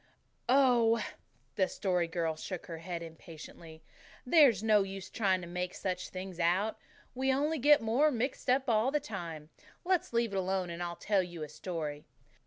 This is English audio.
"Oh!" the Story Girl shook her head impatiently. "There's no use trying to make such things out. We only get more mixed up all the time. Let's leave it alone and I'll tell you a story.